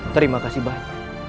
terima kasih banyak